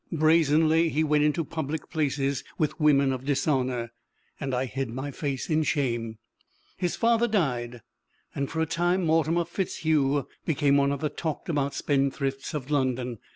Brazenly he went into public places with women of dishonour, and I hid my face in shame. "His father died, and for a time Mortimer FitzHugh became one of the talked about spendthrifts of London.